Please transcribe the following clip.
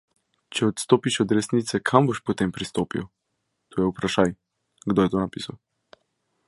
Če odstopiš od resnice, kam boš potem pristopil.